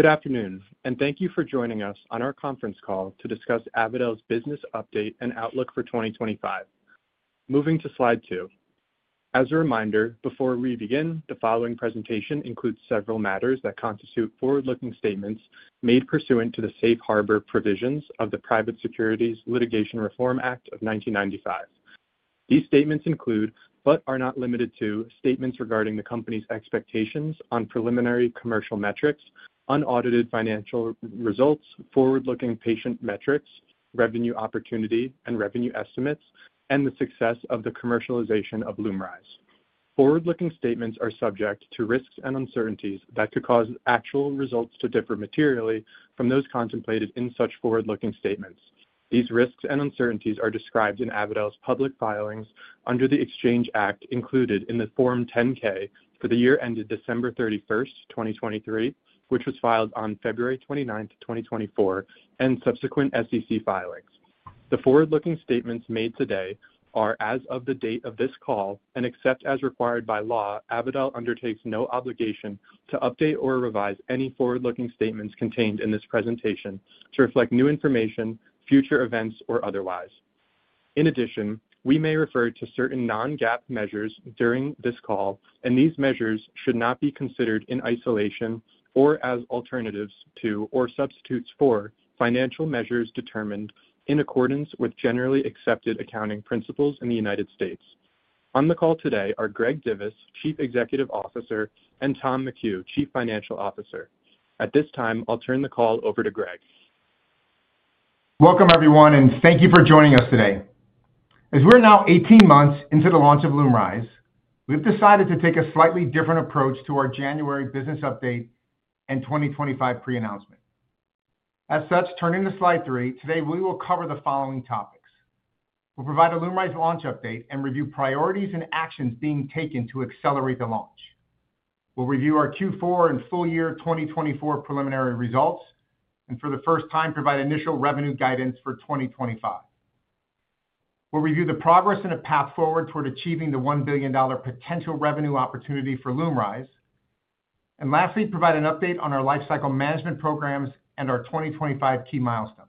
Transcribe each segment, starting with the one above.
Good afternoon, and thank you for joining us on our conference call to discuss Avadel's business update and outlook for 2025. Moving to slide two. As a reminder, before we begin, the following presentation includes several matters that constitute forward-looking statements made pursuant to the Safe Harbor provisions of the Private Securities Litigation Reform Act of 1995. These statements include, but are not limited to, statements regarding the company's expectations on preliminary commercial metrics, unaudited financial results, forward-looking patient metrics, revenue opportunity and revenue estimates, and the success of the commercialization of LUMRYZ. Forward-looking statements are subject to risks and uncertainties that could cause actual results to differ materially from those contemplated in such forward-looking statements. These risks and uncertainties are described in Avadel's public filings under the Exchange Act included in the Form 10-K for the year ended December 31st, 2023, which was filed on February 29th 2024, and subsequent SEC filings. The forward-looking statements made today are, as of the date of this call, and except as required by law, Avadel undertakes no obligation to update or revise any forward-looking statements contained in this presentation to reflect new information, future events, or otherwise. In addition, we may refer to certain non-GAAP measures during this call, and these measures should not be considered in isolation or as alternatives to or substitutes for financial measures determined in accordance with generally accepted accounting principles in the United States. On the call today are Greg Divis, Chief Executive Officer, and Tom McHugh, Chief Financial Officer. At this time, I'll turn the call over to Greg. Welcome, everyone, and thank you for joining us today. As we're now 18 months into the launch of LUMRYZ, we've decided to take a slightly different approach to our January business update and 2025 pre-announcement. As such, turning to slide three, today we will cover the following topics. We'll provide a LUMRYZ launch update and review priorities and actions being taken to accelerate the launch. We'll review our Q4 and full year 2024 preliminary results, and for the first time, provide initial revenue guidance for 2025. We'll review the progress and a path forward toward achieving the $1 billion potential revenue opportunity for LUMRYZ. Lastly, provide an update on our life cycle management programs and our 2025 key milestones.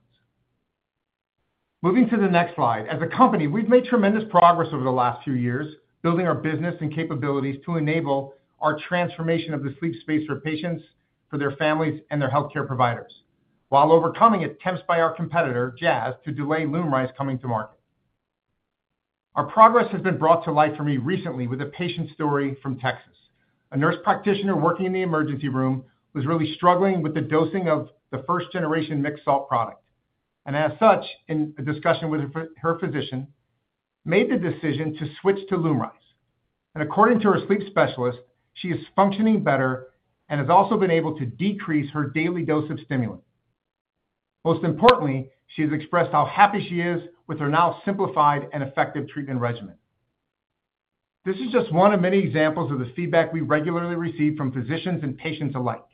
Moving to the next slide. As a company, we've made tremendous progress over the last few years building our business and capabilities to enable our transformation of the sleep space for patients, for their families, and their healthcare providers, while overcoming attempts by our competitor, Jazz, to delay LUMRYZ coming to market. Our progress has been brought to light for me recently with a patient story from Texas. A nurse practitioner working in the emergency room was really struggling with the dosing of the first-generation mixed salt product, and as such, in a discussion with her physician, made the decision to switch to LUMRYZ. According to her sleep specialist, she is functioning better and has also been able to decrease her daily dose of stimulant. Most importantly, she has expressed how happy she is with her now simplified and effective treatment regimen. This is just one of many examples of the feedback we regularly receive from physicians and patients alike.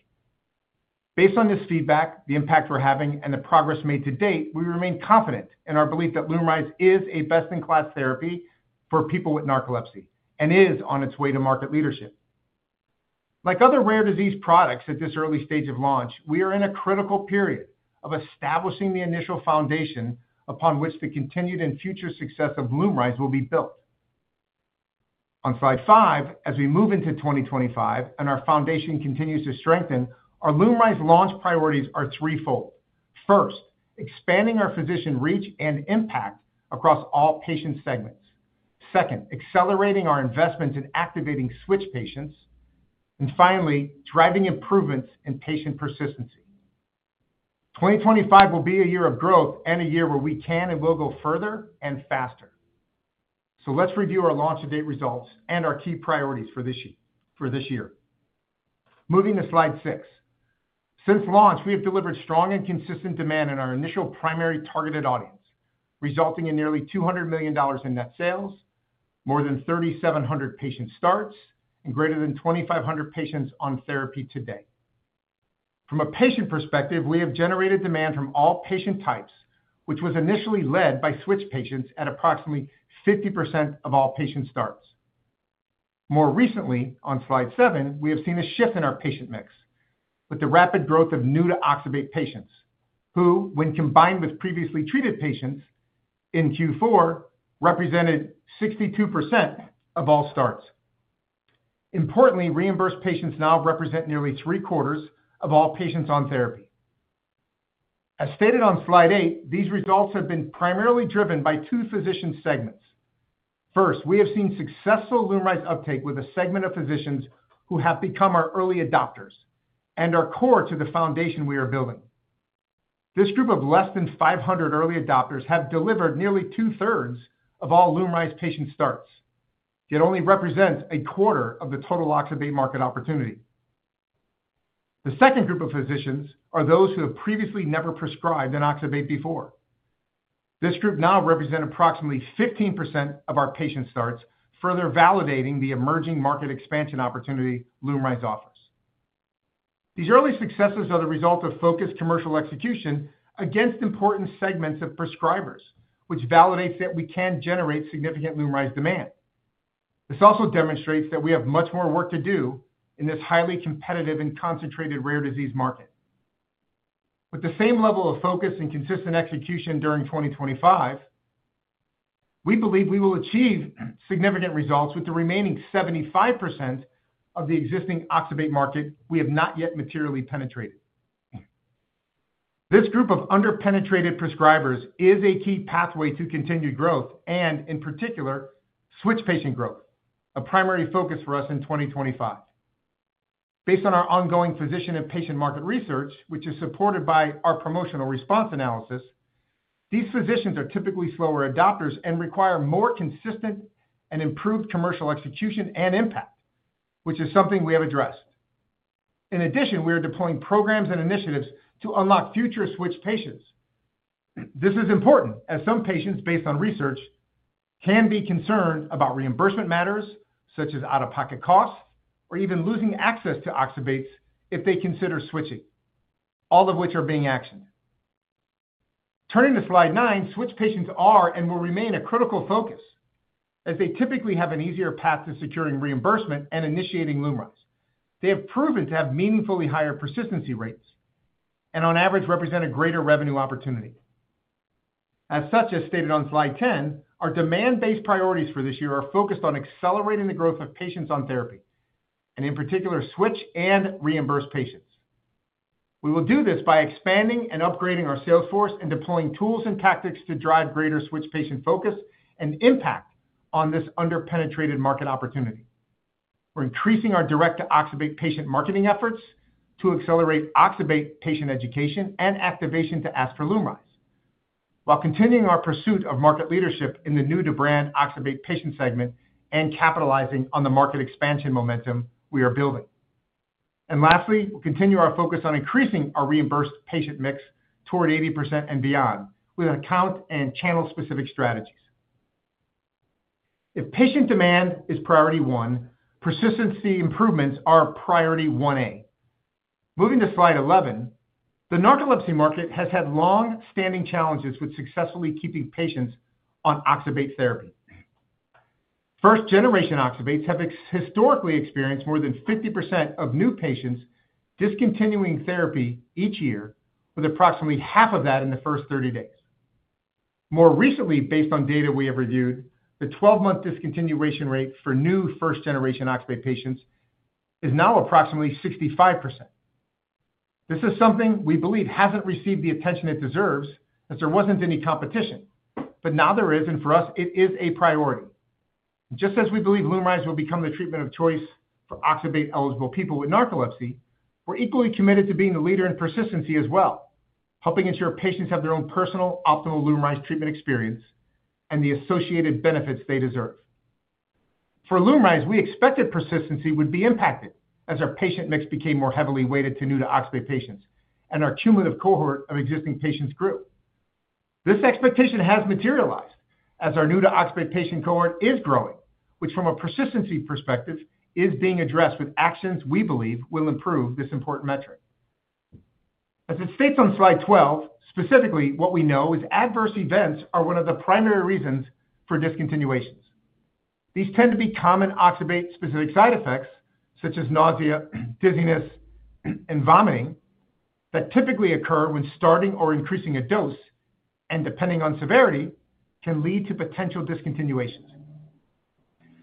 Based on this feedback, the impact we're having, and the progress made to date, we remain confident in our belief that LUMRYZ is a best-in-class therapy for people with narcolepsy and is on its way to market leadership. Like other rare disease products at this early stage of launch, we are in a critical period of establishing the initial foundation upon which the continued and future success of LUMRYZ will be built. On slide five, as we move into 2025 and our foundation continues to strengthen, our LUMRYZ launch priorities are threefold. First, expanding our physician reach and impact across all patient segments. Second, accelerating our investments in activating switch patients. And finally, driving improvements in patient persistency. 2025 will be a year of growth and a year where we can and will go further and faster. Let's review our launch-to-date results and our key priorities for this year. Moving to slide six. Since launch, we have delivered strong and consistent demand in our initial primary targeted audience, resulting in nearly $200 million in net sales, more than 3,700 patient starts, and greater than 2,500 patients on therapy today. From a patient perspective, we have generated demand from all patient types, which was initially led by switch patients at approximately 50% of all patient starts. More recently, on slide seven, we have seen a shift in our patient mix with the rapid growth of new-to-oxybate patients, who, when combined with previously treated patients in Q4, represented 62% of all starts. Importantly, reimbursed patients now represent nearly three-quarters of all patients on therapy. As stated on slide eight, these results have been primarily driven by two physician segments. First, we have seen successful LUMRYZ uptake with a segment of physicians who have become our early adopters and are core to the foundation we are building. This group of less than 500 early adopters have delivered nearly two-thirds of all LUMRYZ patient starts. It only represents a quarter of the total oxybate market opportunity. The second group of physicians are those who have previously never prescribed an oxybate before. This group now represents approximately 15% of our patient starts, further validating the emerging market expansion opportunity LUMRYZ offers. These early successes are the result of focused commercial execution against important segments of prescribers, which validates that we can generate significant LUMRYZ demand. This also demonstrates that we have much more work to do in this highly competitive and concentrated rare disease market. With the same level of focus and consistent execution during 2025, we believe we will achieve significant results with the remaining 75% of the existing oxybate market we have not yet materially penetrated. This group of underpenetrated prescribers is a key pathway to continued growth and, in particular, switch patient growth, a primary focus for us in 2025. Based on our ongoing physician and patient market research, which is supported by our promotional response analysis, these physicians are typically slower adopters and require more consistent and improved commercial execution and impact, which is something we have addressed. In addition, we are deploying programs and initiatives to unlock future switch patients. This is important as some patients, based on research, can be concerned about reimbursement matters such as out-of-pocket costs or even losing access to oxybates if they consider switching, all of which are being actioned. Turning to slide nine, switch patients are and will remain a critical focus as they typically have an easier path to securing reimbursement and initiating LUMRYZ. They have proven to have meaningfully higher persistency rates and, on average, represent a greater revenue opportunity. As such, as stated on slide 10, our demand-based priorities for this year are focused on accelerating the growth of patients on therapy and, in particular, switch and reimburse patients. We will do this by expanding and upgrading our sales force and deploying tools and tactics to drive greater switch patient focus and impact on this underpenetrated market opportunity. We're increasing our direct-to-oxybate patient marketing efforts to accelerate oxybate patient education and activation to ask for LUMRYZ, while continuing our pursuit of market leadership in the new-to-brand oxybate patient segment and capitalizing on the market expansion momentum we are building. Lastly, we'll continue our focus on increasing our reimbursed patient mix toward 80% and beyond with account and channel-specific strategies. If patient demand is priority one, persistency improvements are priority 1A. Moving to slide 11, the narcolepsy market has had long-standing challenges with successfully keeping patients on oxybate therapy. First-generation oxybates have historically experienced more than 50% of new patients discontinuing therapy each year, with approximately half of that in the first 30 days. More recently, based on data we have reviewed, the 12-month discontinuation rate for new first-generation oxybate patients is now approximately 65%. This is something we believe hasn't received the attention it deserves as there wasn't any competition, but now there is, and for us, it is a priority. Just as we believe LUMRYZ will become the treatment of choice for oxybate-eligible people with narcolepsy, we're equally committed to being the leader in persistency as well, helping ensure patients have their own personal optimal LUMRYZ treatment experience and the associated benefits they deserve. For LUMRYZ, we expected persistency would be impacted as our patient mix became more heavily weighted to new-to-oxybate patients and our cumulative cohort of existing patients grew. This expectation has materialized as our new-to-oxybate patient cohort is growing, which, from a persistency perspective, is being addressed with actions we believe will improve this important metric. As it states on slide 12, specifically what we know is adverse events are one of the primary reasons for discontinuations. These tend to be common oxybate-specific side effects such as nausea, dizziness, and vomiting that typically occur when starting or increasing a dose and, depending on severity, can lead to potential discontinuations.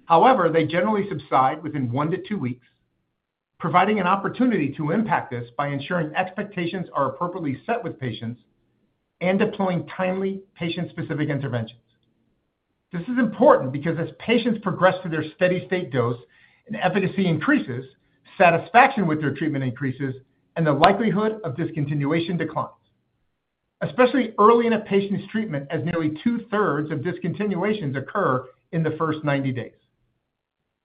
However, they generally subside within one to two weeks, providing an opportunity to impact this by ensuring expectations are appropriately set with patients and deploying timely patient-specific interventions. This is important because as patients progress to their steady-state dose, efficacy increases, satisfaction with their treatment increases, and the likelihood of discontinuation declines, especially early in a patient's treatment, as nearly two-thirds of discontinuations occur in the first 90 days.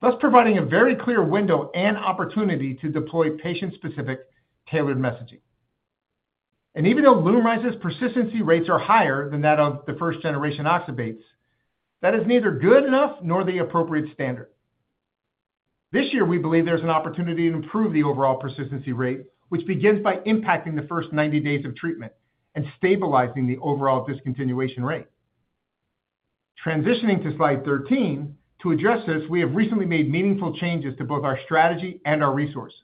This provides a very clear window and opportunity to deploy patient-specific tailored messaging. Even though LUMRYZ's persistency rates are higher than that of the first-generation oxybates, that is neither good enough nor the appropriate standard. This year, we believe there's an opportunity to improve the overall persistency rate, which begins by impacting the first 90 days of treatment and stabilizing the overall discontinuation rate. Transitioning to slide 13, to address this, we have recently made meaningful changes to both our strategy and our resources,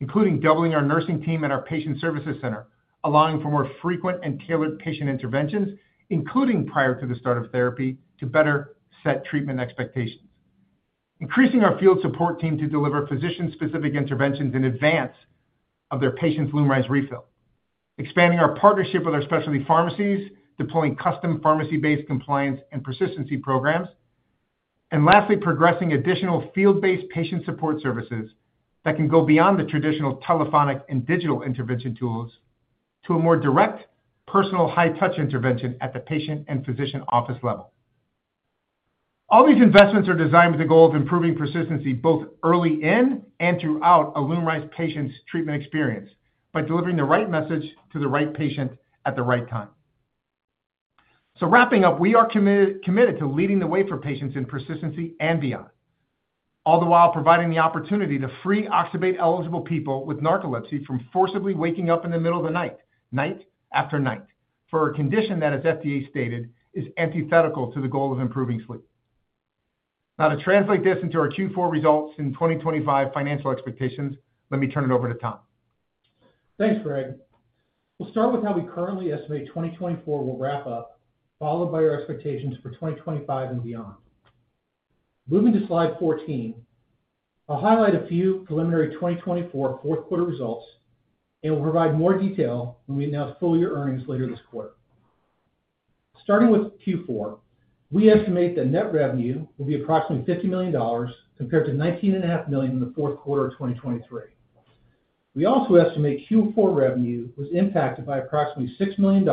including doubling our nursing team and our patient services center, allowing for more frequent and tailored patient interventions, including prior to the start of therapy, to better set treatment expectations. Increasing our field support team to deliver physician-specific interventions in advance of their patient's LUMRYZ refill, expanding our partnership with our specialty pharmacies, deploying custom pharmacy-based compliance and persistency programs, and lastly, progressing additional field-based patient support services that can go beyond the traditional telephonic and digital intervention tools to a more direct, personal high-touch intervention at the patient and physician office level. All these investments are designed with the goal of improving persistency both early in and throughout a LUMRYZ patient's treatment experience by delivering the right message to the right patient at the right time. Wrapping up, we are committed to leading the way for patients in persistency and beyond, all the while providing the opportunity to free oxybate-eligible people with narcolepsy from forcibly waking up in the middle of the night, night after night, for a condition that, as FDA stated, is antithetical to the goal of improving sleep. Now, to translate this into our Q4 results and 2025 financial expectations, let me turn it over to Tom. Thanks, Greg. We'll start with how we currently estimate 2024 will wrap up, followed by our expectations for 2025 and beyond. Moving to slide 14, I'll highlight a few preliminary 2024 fourth-quarter results and will provide more detail when we announce full-year earnings later this quarter. Starting with Q4, we estimate that net revenue will be approximately $50 million compared to $19.5 million in the fourth quarter of 2023. We also estimate Q4 revenue was impacted by approximately $6 million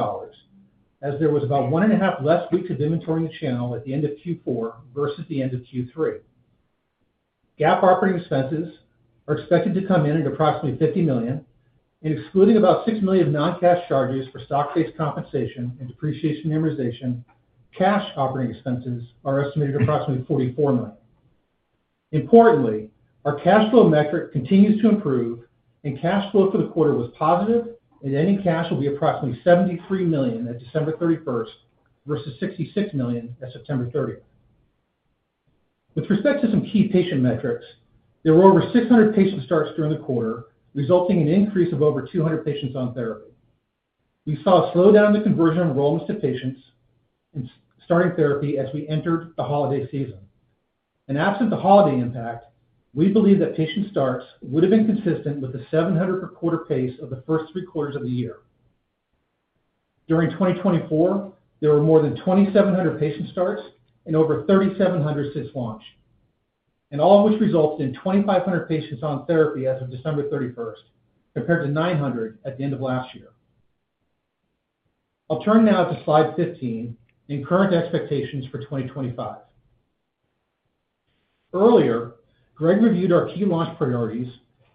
as there was about one and a half less weeks of inventory in the channel at the end of Q4 versus the end of Q3. GAAP operating expenses are expected to come in at approximately $50 million. Excluding about $6 million of non-cash charges for stock-based compensation and depreciation amortization, cash operating expenses are estimated at approximately $44 million. Importantly, our cash flow metric continues to improve, and cash flow for the quarter was positive, and ending cash will be approximately $73 million at December 31 compared to $66 million at September 30th. With respect to some key patient metrics, there were over 600 patient starts during the quarter, resulting in an increase of over 200 patients on therapy. We saw a slowdown in the conversion of enrollments to patients and starting therapy as we entered the holiday season. Absent the holiday impact, we believe that patient starts would have been consistent with the 700 per quarter pace of the first three quarters of the year. During 2024, there were more than 2,700 patient starts and over 3,700 since launch, all of which resulted in 2,500 patients on therapy as of December 31st compared to 900 at the end of last year. I'll turn now to slide 15 and current expectations for 2025. Earlier, Greg reviewed our key launch priorities,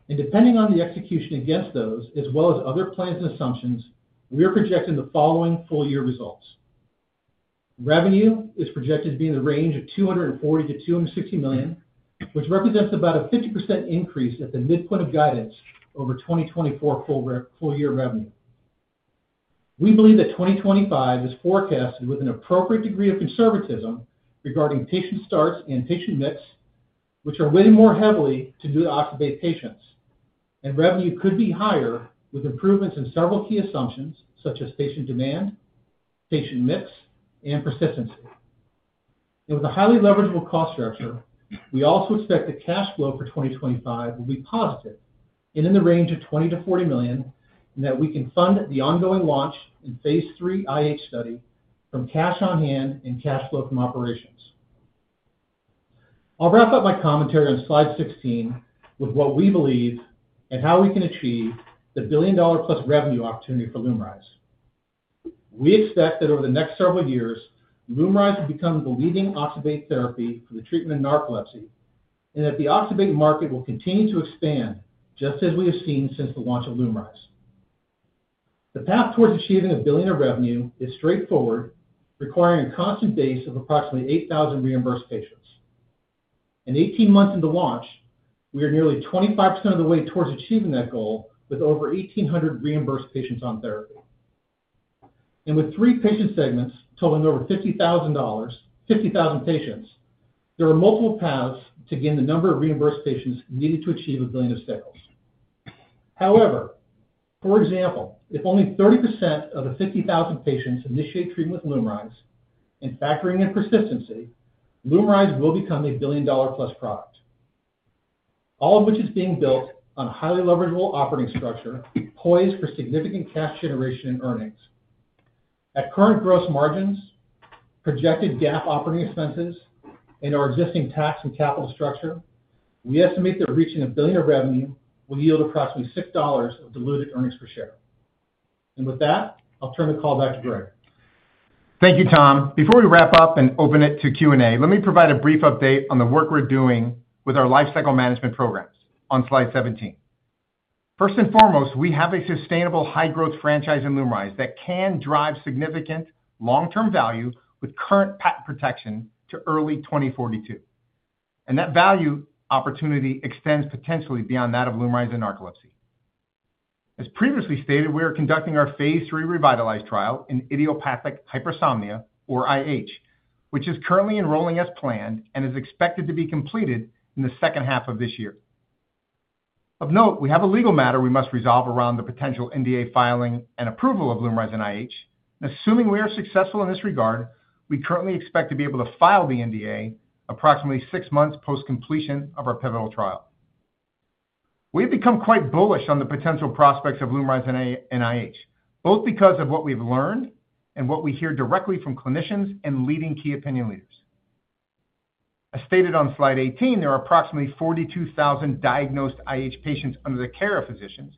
and depending on the execution against those, as well as other plans and assumptions, we are projecting the following full-year results. Revenue is projected to be in the range of $240 million-$260 million, which represents about a 50% increase at the midpoint of guidance over 2024 full-year revenue. We believe that 2025 is forecasted with an appropriate degree of conservatism regarding patient starts and patient mix, which are weighted more heavily to new-to-oxybate patients, and revenue could be higher with improvements in several key assumptions such as patient demand, patient mix, and persistency. With a highly leverageable cost structure, we also expect the cash flow for 2025 will be positive and in the range of $20-$40 million and that we can fund the ongoing launch and phase three IH study from cash on hand and cash flow from operations. I'll wrap up my commentary on slide 16 with what we believe and how we can achieve the billion-dollar-plus revenue opportunity for LUMRYZ. We expect that over the next several years, LUMRYZ will become the leading oxybate therapy for the treatment of narcolepsy and that the oxybate market will continue to expand just as we have seen since the launch of LUMRYZ. The path towards achieving a billion of revenue is straightforward, requiring a constant base of approximately 8,000 reimbursed patients. Eighteen months into launch, we are nearly 25% of the way towards achieving that goal with over 1,800 reimbursed patients on therapy. With three patient segments totaling over 50,000 patients, there are multiple paths to gain the number of reimbursed patients needed to achieve $1 billion of sales. For example, if only 30% of the 50,000 patients initiate treatment with LUMRYZ, and factoring in persistency, LUMRYZ will become a billion-dollar-plus product, all of which is being built on a highly leverageable operating structure poised for significant cash generation and earnings. At current gross margins, projected GAAP operating expenses, and our existing tax and capital structure, we estimate that reaching $1 billion of revenue will yield approximately $6 of diluted earnings per share. With that, I'll turn the call back to Greg. Thank you, Tom. Before we wrap up and open it to Q&A, let me provide a brief update on the work we're doing with our lifecycle management programs on slide 17. First and foremost, we have a sustainable high-growth franchise in LUMRYZ that can drive significant long-term value with current patent protection to early 2042. That value opportunity extends potentially beyond that of LUMRYZ and narcolepsy. As previously stated, we are conducting our phase three REVITALYZ trial in idiopathic hypersomnia, or IH, which is currently enrolling as planned and is expected to be completed in the second half of this year. Of note, we have a legal matter we must resolve around the potential NDA filing and approval of LUMRYZ in IH. Assuming we are successful in this regard, we currently expect to be able to file the NDA approximately six months post-completion of our pivotal trial. We have become quite bullish on the potential prospects of LUMRYZ and IH, both because of what we've learned and what we hear directly from clinicians and leading key opinion leaders. As stated on slide 18, there are approximately 42,000 diagnosed IH patients under the care of physicians,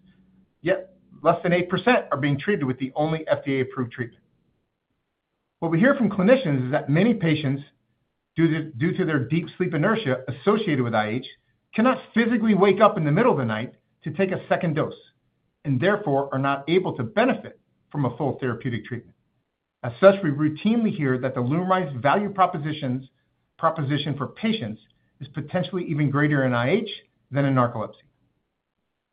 yet less than 8% are being treated with the only FDA-approved treatment. What we hear from clinicians is that many patients, due to their deep sleep inertia associated with IH, cannot physically wake up in the middle of the night to take a second dose and therefore are not able to benefit from a full therapeutic treatment. As such, we routinely hear that the LUMRYZ value proposition for patients is potentially even greater in IH than in narcolepsy.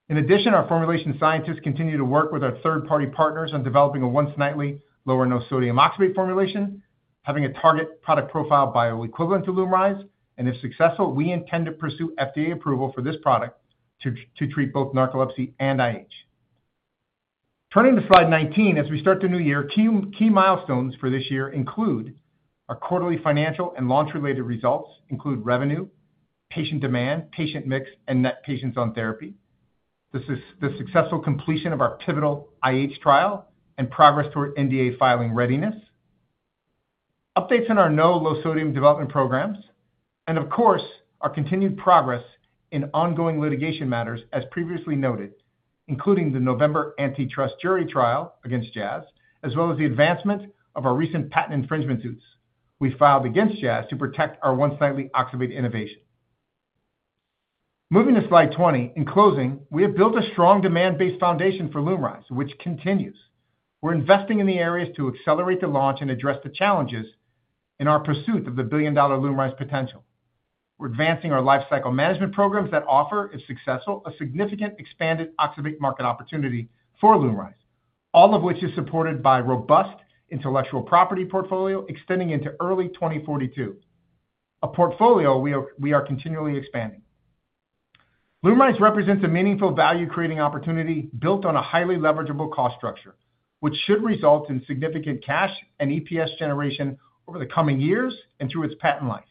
In addition, our formulation scientists continue to work with our third-party partners on developing a once-nightly lower-sodium oxybate formulation, having a target product profile bioequivalent to LUMRYZ, and if successful, we intend to pursue FDA approval for this product to treat both narcolepsy and IH. Turning to slide 19, as we start the new year, key milestones for this year include our quarterly financial and launch-related results, including revenue, patient demand, patient mix, and net patients on therapy, the successful completion of our pivotal IH trial and progress toward NDA filing readiness, updates in our low-sodium development programs, and of course, our continued progress in ongoing litigation matters, as previously noted, including the November antitrust jury trial against Jazz, as well as the advancement of our recent patent infringement suits we filed against Jazz to protect our once-nightly oxybate innovation. Moving to slide 20, in closing, we have built a strong demand-based foundation for LUMRYZ, which continues. We're investing in the areas to accelerate the launch and address the challenges in our pursuit of the billion-dollar LUMRYZ potential. We're advancing our lifecycle management programs that offer, if successful, a significant expanded oxybate market opportunity for LUMRYZ, all of which is supported by a robust intellectual property portfolio extending into early 2042, a portfolio we are continually expanding. LUMRYZ represents a meaningful value-creating opportunity built on a highly leverageable cost structure, which should result in significant cash and EPS generation over the coming years and through its patent life.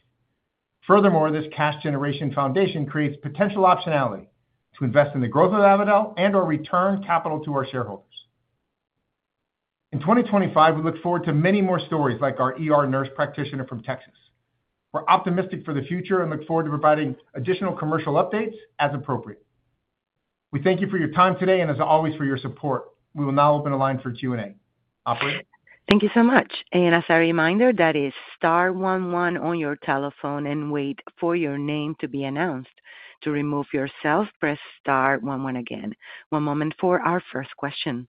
Furthermore, this cash generation foundation creates potential optionality to invest in the growth of Avadel and/or return capital to our shareholders. In 2025, we look forward to many more stories like our nurse practitioner from Texas. We're optimistic for the future and look forward to providing additional commercial updates as appropriate. We thank you for your time today and, as always, for your support. We will now open the line for Q&A. Operator. Thank you so much. As a reminder, that is star one one on your telephone and wait for your name to be announced. To remove yourself, press star one one again. One moment for our first question.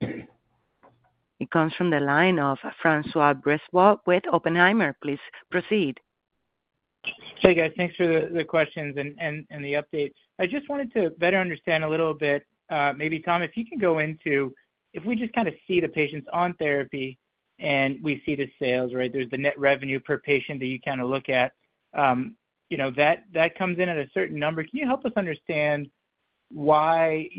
It comes from the line of Francois Brisebois with Oppenheimer. Please proceed. Hey, guys. Thanks for the questions and the update. I just wanted to better understand a little bit. Maybe, Tom, if you can go into if we just kind of see the patients on therapy and we see the sales, right? There's the net revenue per patient that you kind of look at. That comes in at a certain number. Can you help us understand how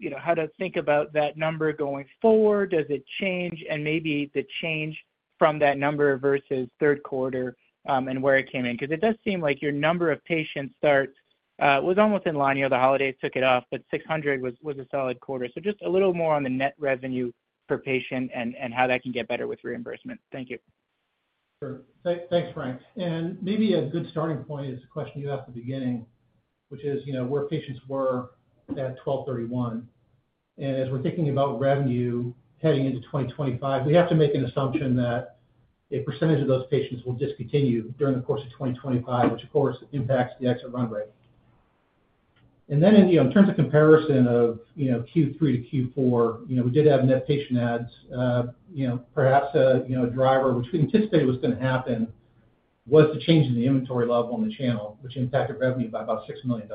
to think about that number going forward? Does it change? Maybe the change from that number versus third quarter and where it came in? It does seem like your number of patient starts was almost in line. The holidays took it off, but 600 was a solid quarter. Just a little more on the net revenue per patient and how that can get better with reimbursement. Thank you. Sure. Thanks, Frank. Maybe a good starting point is the question you asked at the beginning, which is where patients were at 12/31. As we're thinking about revenue heading into 2025, we have to make an assumption that a percentage of those patients will discontinue during the course of 2025, which, of course, impacts the exit run rate. In terms of comparison of Q3 to Q4, we did have net patient adds. Perhaps a driver, which we anticipated was going to happen, was the change in the inventory level in the channel, which impacted revenue by about $6 million.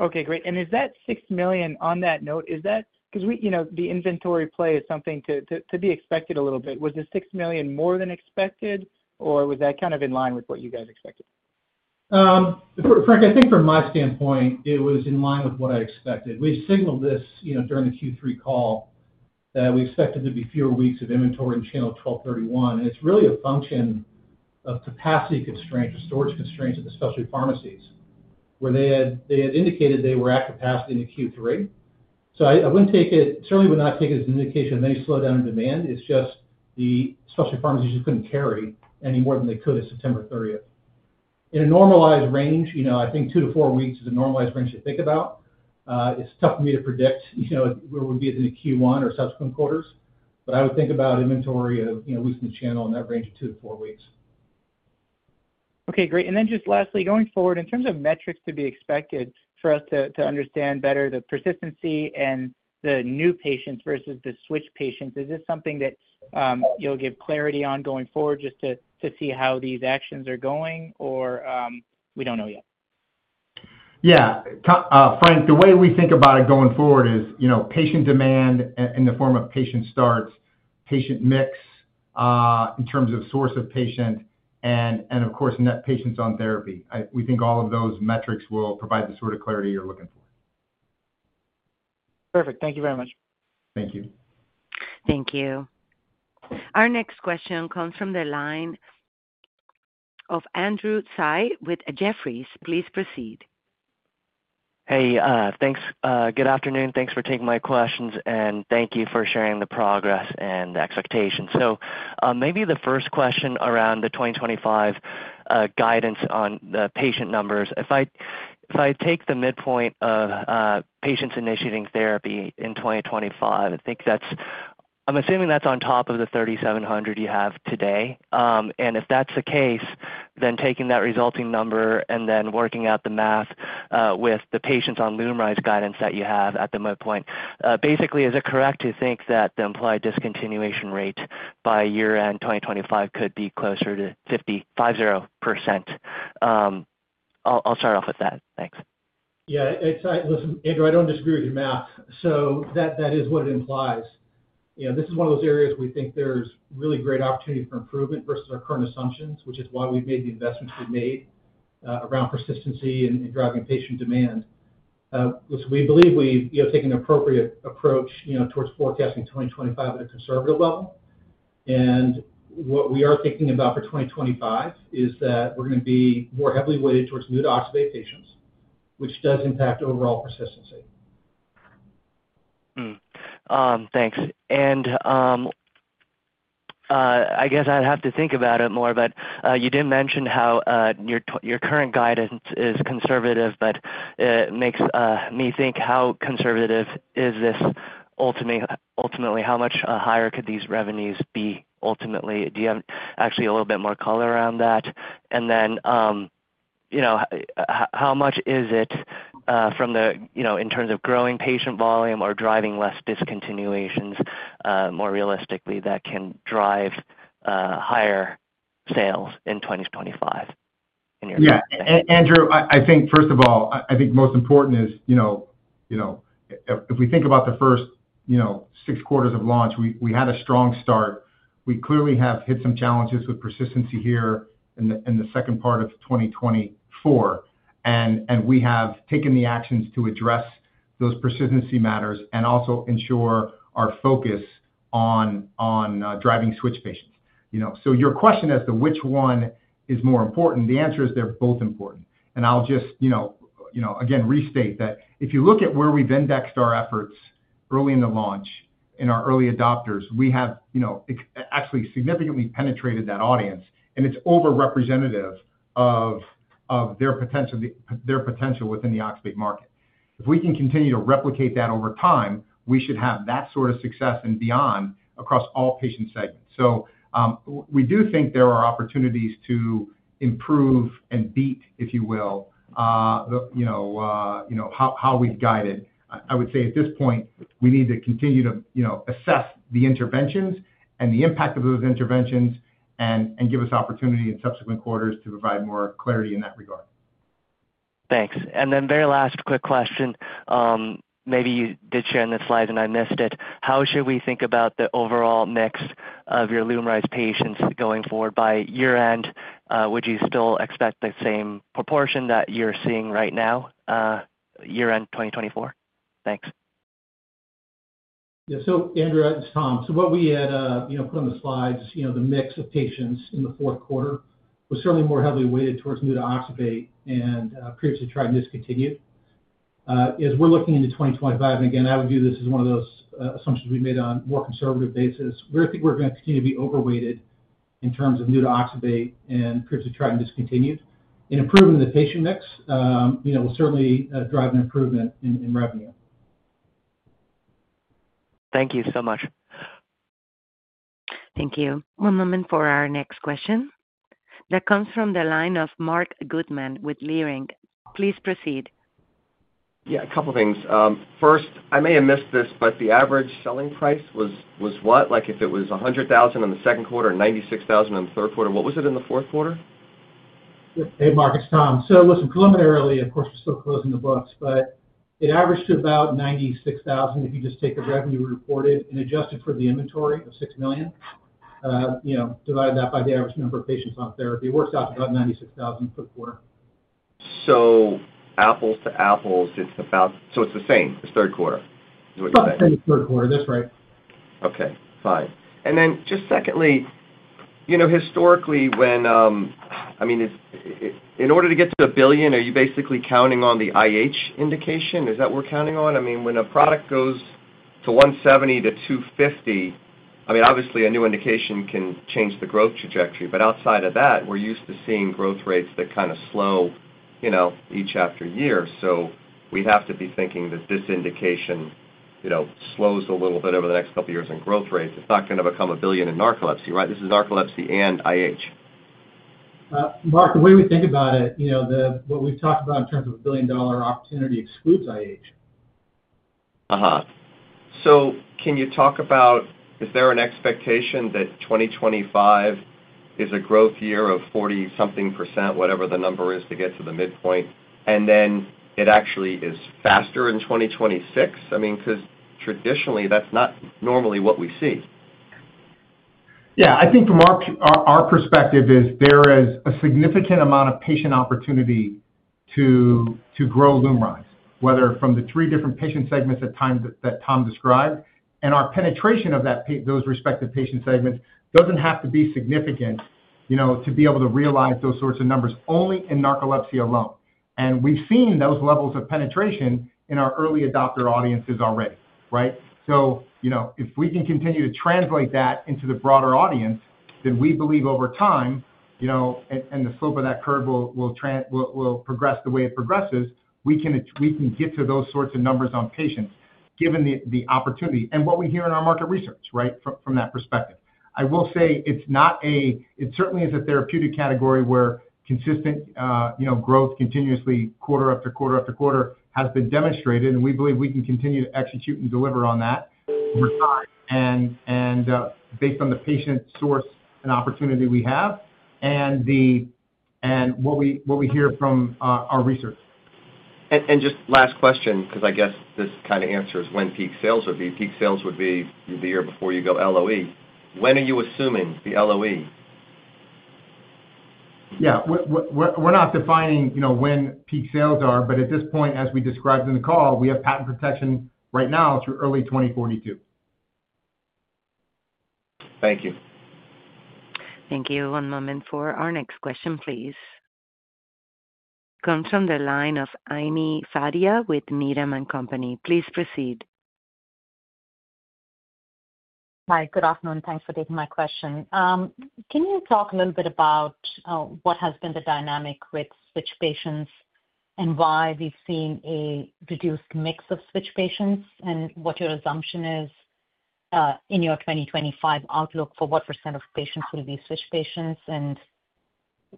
Okay. Great. Is that $6 million on that note? Because the inventory play is something to be expected a little bit. Was the $6 million more than expected, or was that kind of in line with what you guys expected? Frank, I think from my standpoint, it was in line with what I expected. We signaled this during the Q3 call that we expected there would be fewer weeks of inventory in channel December 31. It is really a function of capacity constraints or storage constraints at the specialty pharmacies, where they had indicated they were at capacity in the Q3. I certainly would not take it as an indication of any slowdown in demand. It's just the specialty pharmacies just could not carry any more than they could at September 30th. In a normalized range, I think two to four weeks is a normalized range to think about. It's tough for me to predict where we will be in the Q1 or subsequent quarters, but I would think about inventory of weeks in the channel in that range of two to four weeks. Okay. Great. And then just lastly, going forward, in terms of metrics to be expected for us to understand better the persistency and the new patients versus the switch patients, is this something that you will give clarity on going forward just to see how these actions are going, or we do not know yet? Yeah. Frank, the way we think about it going forward is patient demand in the form of patient starts, patient mix in terms of source of patient, and of course, net patients on therapy. We think all of those metrics will provide the sort of clarity you're looking for. Perfect. Thank you very much. Thank you. Thank you. Our next question comes from the line of Andrew Tsai with Jefferies. Please proceed. Hey. Thanks. Good afternoon. Thanks for taking my questions, and thank you for sharing the progress and expectations. Maybe the first question around the 2025 guidance on the patient numbers. If I take the midpoint of patients initiating therapy in 2025, I'm assuming that's on top of the 3,700 you have today. If that's the case, then taking that resulting number and then working out the math with the patients on LUMRYZ guidance that you have at the midpoint, basically, is it correct to think that the implied discontinuation rate by year-end 2025 could be closer to 50%, 50%? I'll start off with that. Thanks. Yeah. Listen, Andrew, I don't disagree with your math. That is what it implies. This is one of those areas we think there's really great opportunity for improvement versus our current assumptions, which is why we've made the investments we've made around persistency and driving patient demand. We believe we've taken an appropriate approach towards forecasting 2025 at a conservative level. What we are thinking about for 2025 is that we're going to be more heavily weighted towards new-to-oxybate patients, which does impact overall persistency. Thanks. I guess I'd have to think about it more, but you did mention how your current guidance is conservative, but it makes me think, how conservative is this ultimately? How much higher could these revenues be ultimately? Do you have actually a little bit more color around that? How much is it from the in terms of growing patient volume or driving less discontinuations more realistically that can drive higher sales in 2025 in your guidance? Yeah. Andrew, I think, first of all, I think most important is if we think about the first six quarters of launch, we had a strong start. We clearly have hit some challenges with persistency here in the second part of 2024. We have taken the actions to address those persistency matters and also ensure our focus on driving switch patients. Your question as to which one is more important, the answer is they're both important. I'll just, again, restate that if you look at where we've indexed our efforts early in the launch in our early adopters, we have actually significantly penetrated that audience, and it's overrepresentative of their potential within the oxybate market. If we can continue to replicate that over time, we should have that sort of success and beyond across all patient segments. We do think there are opportunities to improve and beat, if you will, how we've guided. I would say at this point, we need to continue to assess the interventions and the impact of those interventions and give us opportunity in subsequent quarters to provide more clarity in that regard. Thanks. Very last quick question. Maybe you did share in the slide, and I missed it. How should we think about the overall mix of your LUMRYZ patients going forward? By year-end, would you still expect the same proportion that you're seeing right now, year-end 2024? Thanks. Yeah. So, Andrew, as Tom, so what we had put on the slides, the mix of patients in the fourth quarter was certainly more heavily weighted towards new-to-oxybate and previously tried and discontinued. As we're looking into 2025, I would view this as one of those assumptions we've made on a more conservative basis, we think we're going to continue to be overweighted in terms of new-to-oxybate and previously tried and discontinued. Improving the patient mix will certainly drive an improvement in revenue. Thank you so much. Thank you. One moment for our next question. That comes from the line of Mark Goodman with Leerink. Please proceed. Yeah. A couple of things. First, I may have missed this, but the average selling price was what? If it was $100,000 in the second quarter and $96,000 in the third quarter, what was it in the fourth quarter? Hey, Mark. It's Tom. Listen, preliminarily, of course, we're still closing the books, but it averaged to about $96,000 if you just take the revenue reported and adjusted for the inventory of $6 million, divide that by the average number of patients on therapy. It works out to about $96,000 per quarter. Apples to apples, it's about the same as third quarter, is what you're saying? About the same as third quarter. That's right. Okay. Fine. And then just secondly, historically, I mean, in order to get to a billion, are you basically counting on the IH indication? Is that what we're counting on? I mean, when a product goes to 170 to 250, I mean, obviously, a new indication can change the growth trajectory. Outside of that, we're used to seeing growth rates that kind of slow each after year. We have to be thinking that this indication slows a little bit over the next couple of years in growth rates. It's not going to become a billion in narcolepsy, right? This is narcolepsy and IH. Mark, the way we think about it, what we've talked about in terms of a billion-dollar opportunity excludes IH. Can you talk about, is there an expectation that 2025 is a growth year of 40-something percent, whatever the number is, to get to the midpoint, and then it actually is faster in 2026? I mean, because traditionally, that's not normally what we see. Yeah. I think from our perspective is there is a significant amount of patient opportunity to grow LUMRYZ, whether from the three different patient segments that Tom described. Our penetration of those respective patient segments does not have to be significant to be able to realize those sorts of numbers only in narcolepsy alone. We have seen those levels of penetration in our early adopter audiences already, right? If we can continue to translate that into the broader audience, we believe over time, and the slope of that curve will progress the way it progresses, we can get to those sorts of numbers on patients given the opportunity and what we hear in our market research, right, from that perspective. I will say it certainly is a therapeutic category where consistent growth continuously quarter after quarter after quarter has been demonstrated. We believe we can continue to execute and deliver on that over time and based on the patient source and opportunity we have and what we hear from our research. Just last question, because I guess this kind of answers when peak sales would be. Peak sales would be the year before you go LOE. When are you assuming the LOE? Yeah. We're not defining when peak sales are, but at this point, as we described in the call, we have patent protection right now through early 2042. Thank you. Thank you. One moment for our next question, please. Comes from the line of Ami Fadia with Needham & Company. Please proceed. Hi. Good afternoon. Thanks for taking my question. Can you talk a little bit about what has been the dynamic with switch patients and why we've seen a reduced mix of switch patients and what your assumption is in your 2025 outlook for what % of patients will be switch patients?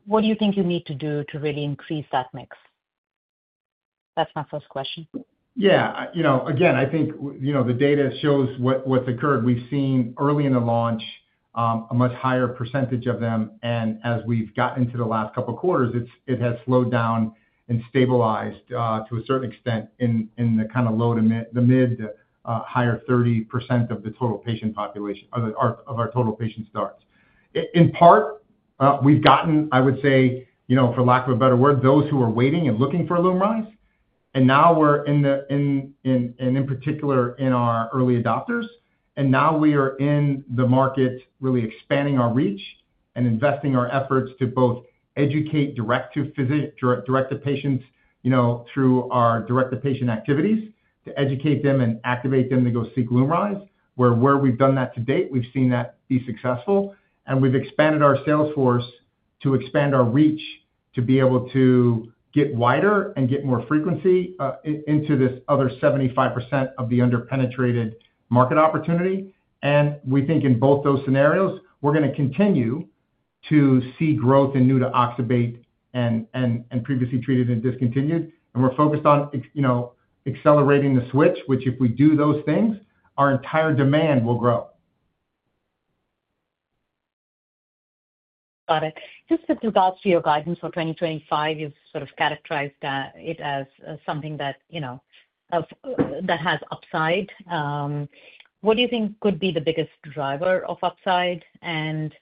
What do you think you need to do to really increase that mix? That's my first question. Yeah. Again, I think the data shows what's occurred. We've seen early in the launch a much higher percentage of them. As we've gotten into the last couple of quarters, it has slowed down and stabilized to a certain extent in the kind of low to mid to higher 30% of the total patient population of our total patient starts. In part, we've gotten, I would say, for lack of a better word, those who are waiting and looking for LUMRYZ. We are in, and in particular, in our early adopters. We are in the market really expanding our reach and investing our efforts to both educate direct-to-patients through our direct-to-patient activities to educate them and activate them to go seek LUMRYZ, where we've done that to date. We've seen that be successful. We've expanded our sales force to expand our reach to be able to get wider and get more frequency into this other 75% of the under-penetrated market opportunity. We think in both those scenarios, we're going to continue to see growth in new-to-oxybate and previously treated and discontinued. We're focused on accelerating the switch, which if we do those things, our entire demand will grow. Got it. Just with regards to your guidance for 2025, you've sort of characterized it as something that has upside. What do you think could be the biggest driver of upside? When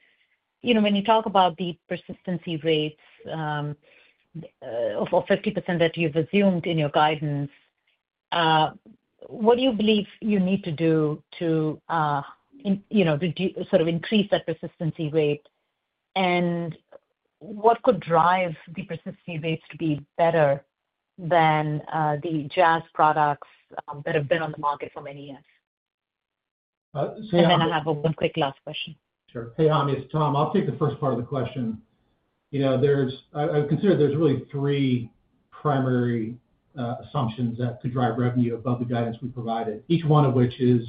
you talk about the persistency rates of 50% that you've assumed in your guidance, what do you believe you need to do to sort of increase that persistency rate? What could drive the persistency rates to be better than the Jazz products that have been on the market for many years? I have one quick last question. Sure. Hey, Ami. It's Tom. I'll take the first part of the question. I would consider there's really three primary assumptions that could drive revenue above the guidance we provided, each one of which is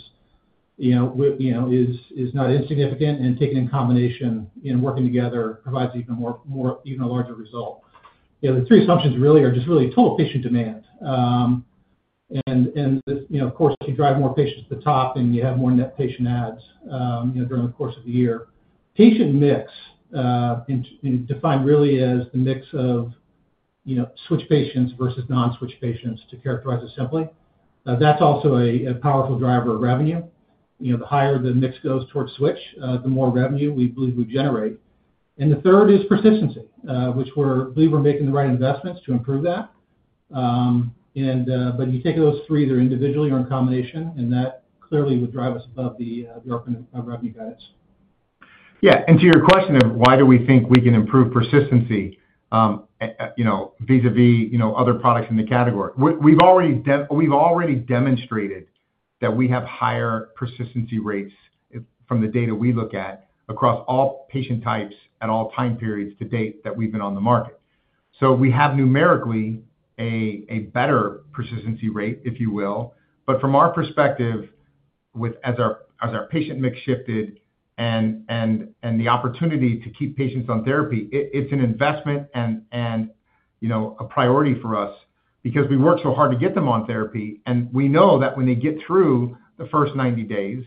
not insignificant and taken in combination and working together provides even a larger result. The three assumptions really are just really total patient demand. Of course, if you drive more patients to the top and you have more net patient adds during the course of the year, patient mix defined really as the mix of switch patients versus non-switch patients to characterize it simply. That is also a powerful driver of revenue. The higher the mix goes towards switch, the more revenue we believe we generate. The third is persistency, which we believe we're making the right investments to improve that. You take those three, either individually or in combination, and that clearly would drive us above the revenue guidance. Yeah. To your question of why do we think we can improve persistency vis-à-vis other products in the category, we've already demonstrated that we have higher persistency rates from the data we look at across all patient types at all time periods to date that we've been on the market. We have numerically a better persistency rate, if you will. From our perspective, as our patient mix shifted and the opportunity to keep patients on therapy, it's an investment and a priority for us because we worked so hard to get them on therapy. We know that when they get through the first 90 days,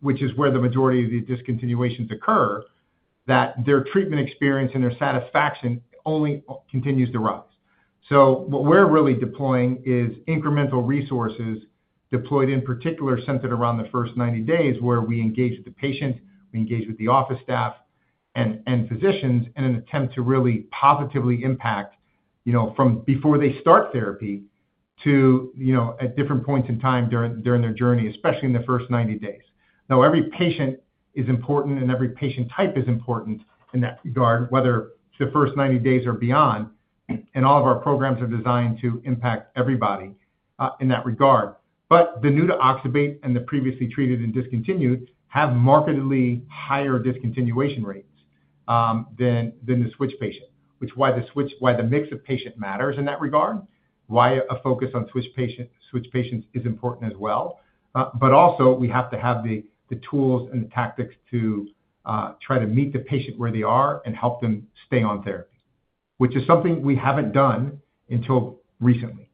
which is where the majority of the discontinuations occur, their treatment experience and their satisfaction only continues to rise. What we're really deploying is incremental resources deployed in particular centered around the first 90 days where we engage with the patient, we engage with the office staff, and physicians in an attempt to really positively impact from before they start therapy to at different points in time during their journey, especially in the first 90 days. Now, every patient is important, and every patient type is important in that regard, whether the first 90 days or beyond. All of our programs are designed to impact everybody in that regard. The new-to-oxybate and the previously treated and discontinued have markedly higher discontinuation rates than the switch patient, which is why the mix of patient matters in that regard, why a focus on switch patients is important as well. We have to have the tools and the tactics to try to meet the patient where they are and help them stay on therapy, which is something we haven't done until recently.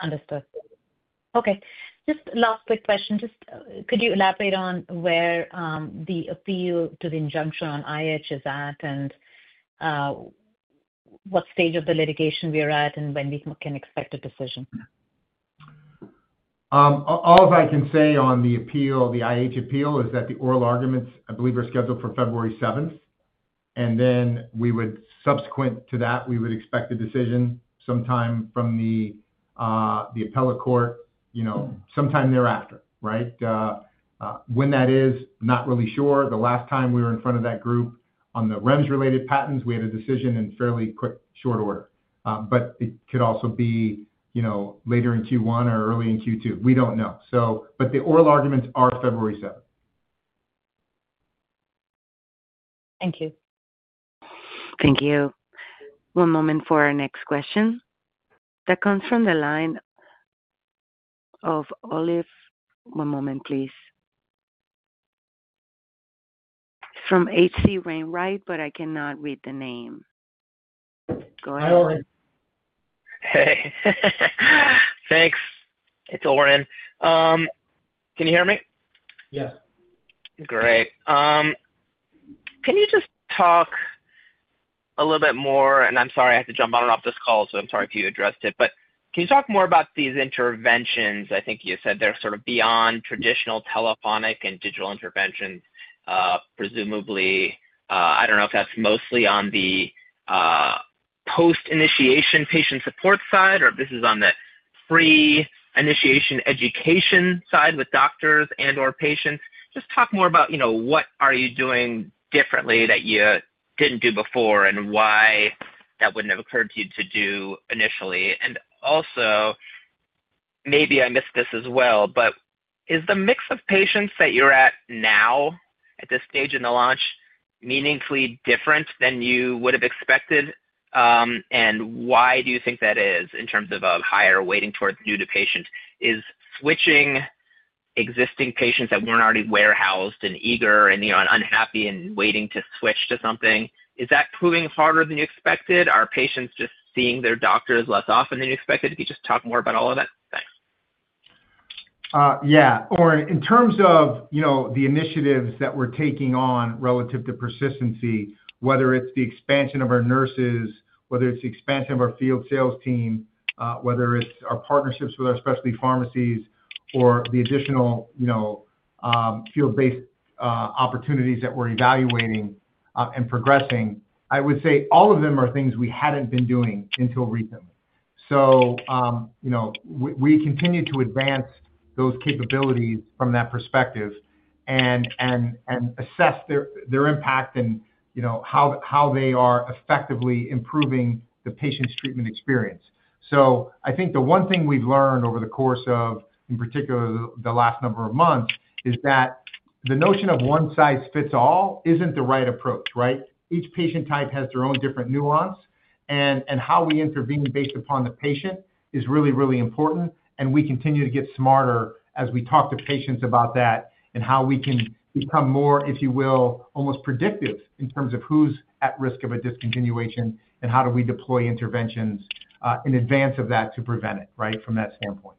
Understood. Okay. Just last quick question. Could you elaborate on where the appeal to the injunction on IH is at and what stage of the litigation we are at and when we can expect a decision? All I can say on the appeal, the IH appeal, is that the oral arguments, I believe, are scheduled for February 7th. Subsequent to that, we would expect a decision sometime from the appellate court sometime thereafter, right? When that is, not really sure. The last time we were in front of that group on the REMS-related patents, we had a decision in fairly quick short order. It could also be later in Q1 or early in Q2. We do not know. The oral arguments are February 7th. Thank you. Thank you. One moment for our next question. That comes from the line of Oren. One moment, please. It is from H.C. Wainwright, but I cannot read the name. Go ahead. Hey. Thanks. It is Oren. Can you hear me? Yes. Great. Can you just talk a little bit more? I'm sorry, I have to jump on and off this call, so I'm sorry if you addressed it. Can you talk more about these interventions? I think you said they're sort of beyond traditional telephonic and digital interventions, presumably. I don't know if that's mostly on the post-initiation patient support side or if this is on the pre-initiation education side with doctors and/or patients. Just talk more about what are you doing differently that you didn't do before and why that wouldn't have occurred to you to do initially. Also, maybe I missed this as well, but is the mix of patients that you're at now at this stage in the launch meaningfully different than you would have expected? Why do you think that is in terms of a higher weighting towards new-to-patients? Is switching existing patients that were not already warehoused and eager and unhappy and waiting to switch to something, is that proving harder than you expected? Are patients just seeing their doctors less often than you expected? If you just talk more about all of that. Thanks. Yeah. Oren in terms of the initiatives that we are taking on relative to persistency, whether it is the expansion of our nurses, whether it is the expansion of our field sales team, whether it is our partnerships with our specialty pharmacies, or the additional field-based opportunities that we are evaluating and progressing, I would say all of them are things we had not been doing until recently. We continue to advance those capabilities from that perspective and assess their impact and how they are effectively improving the patient's treatment experience. I think the one thing we've learned over the course of, in particular, the last number of months, is that the notion of one size fits all isn't the right approach, right? Each patient type has their own different nuance. How we intervene based upon the patient is really, really important. We continue to get smarter as we talk to patients about that and how we can become more, if you will, almost predictive in terms of who's at risk of a discontinuation and how do we deploy interventions in advance of that to prevent it, right, from that standpoint.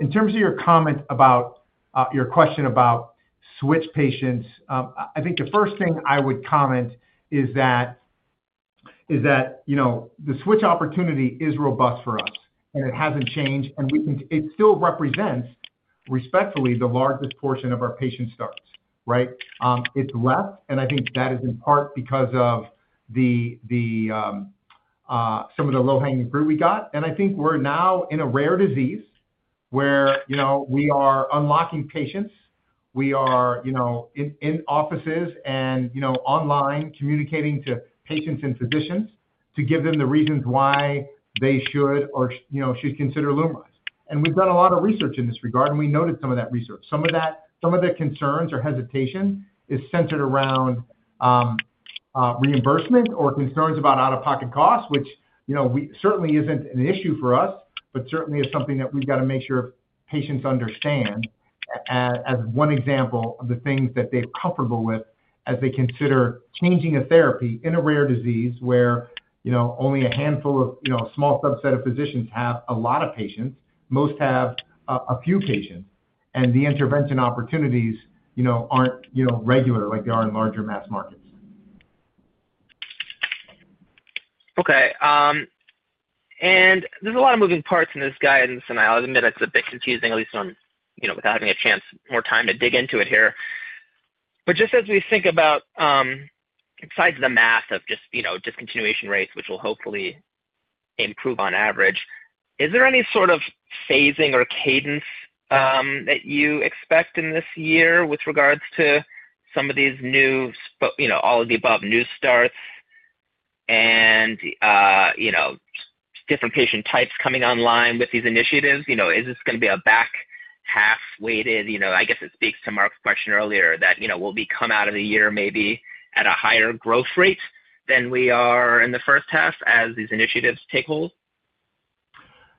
In terms of your comment about your question about switch patients, I think the first thing I would comment is that the switch opportunity is robust for us, and it hasn't changed. It still represents, respectfully, the largest portion of our patient starts, right? It's left. I think that is in part because of some of the low-hanging fruit we got. I think we're now in a rare disease where we are unlocking patients. We are in offices and online communicating to patients and physicians to give them the reasons why they should or should consider LUMRYZ. We've done a lot of research in this regard, and we noted some of that research. Some of the concerns or hesitation is centered around reimbursement or concerns about out-of-pocket costs, which certainly isn't an issue for us, but certainly is something that we've got to make sure patients understand as one example of the things that they're comfortable with as they consider changing a therapy in a rare disease where only a handful of small subset of physicians have a lot of patients, most have a few patients, and the intervention opportunities aren't regular like they are in larger mass markets. Okay. There is a lot of moving parts in this guidance. I'll admit it's a bit confusing, at least without having a chance more time to dig into it here. Just as we think about, besides the math of just discontinuation rates, which will hopefully improve on average, is there any sort of phasing or cadence that you expect in this year with regards to some of these new, all of the above new starts and different patient types coming online with these initiatives? Is this going to be a back half-weighted? I guess it speaks to Mark's question earlier that we'll be coming out of the year maybe at a higher growth rate than we are in the first half as these initiatives take hold?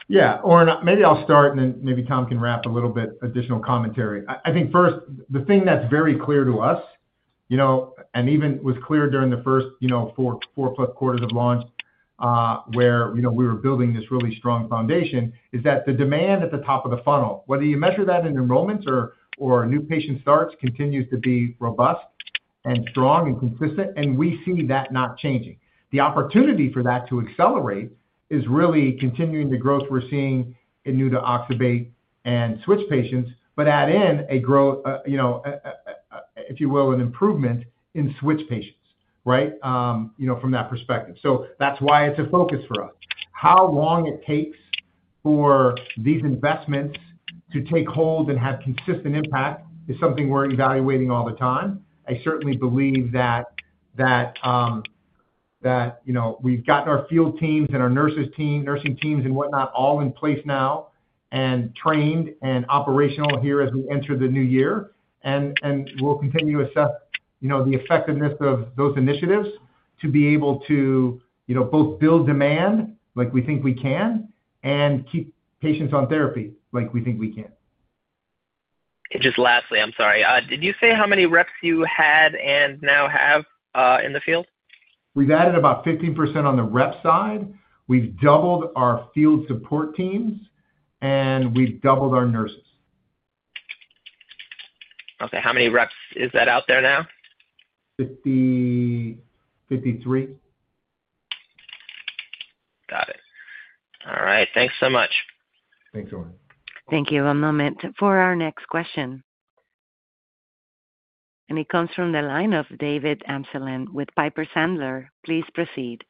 Yeah. Oren, maybe I'll start, and then maybe Tom can wrap a little bit additional commentary. I think first, the thing that's very clear to us and even was clear during the first four-plus quarters of launch where we were building this really strong foundation is that the demand at the top of the funnel, whether you measure that in enrollments or new patient starts, continues to be robust and strong and consistent. We see that not changing. The opportunity for that to accelerate is really continuing the growth we're seeing in new-to-oxybate and switch patients, but add in a growth, if you will, an improvement in switch patients, right, from that perspective. That is why it's a focus for us. How long it takes for these investments to take hold and have consistent impact is something we're evaluating all the time. I certainly believe that we've gotten our field teams and our nursing teams and whatnot all in place now and trained and operational here as we enter the new year. We'll continue to assess the effectiveness of those initiatives to be able to both build demand like we think we can and keep patients on therapy like we think we can. Just lastly, I'm sorry. Did you say how many reps you had and now have in the field? We've added about 15% on the rep side. We've doubled our field support teams, and we've doubled our nurses. Okay. How many reps is that out there now? 53. Got it. All right. Thanks so much. Thanks, Oren. Thank you. One moment for our next question. It comes from the line of David Amsellem with Piper Sandler. Please proceed.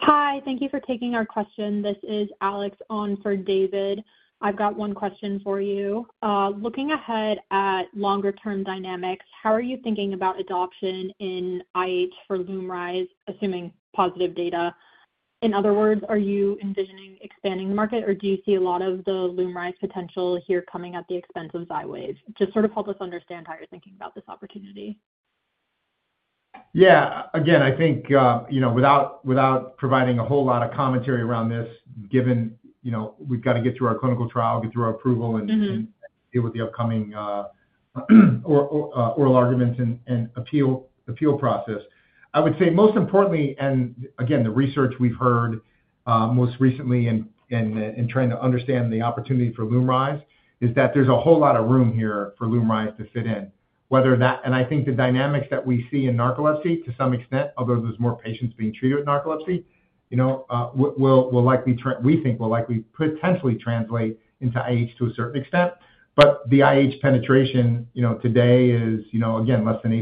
Hi. Thank you for taking our question. This is Alex on for David. I've got one question for you. Looking ahead at longer-term dynamics, how are you thinking about adoption in IH for LUMRYZ, assuming positive data? In other words, are you envisioning expanding the market, or do you see a lot of the LUMRYZ potential here coming at the expense of Xyrem? Just sort of help us understand how you're thinking about this opportunity. Yeah. Again, I think without providing a whole lot of commentary around this, given we've got to get through our clinical trial, get through our approval, and deal with the upcoming oral arguments and appeal process, I would say most importantly, and again, the research we've heard most recently in trying to understand the opportunity for LUMRYZ is that there's a whole lot of room here for LUMRYZ to fit in. I think the dynamics that we see in narcolepsy to some extent, although there are more patients being treated with narcolepsy, we think will likely potentially translate into IH to a certain extent. The IH penetration today is, again, less than